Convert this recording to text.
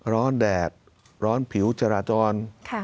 ร้อนแดดร้อนผิวจราจร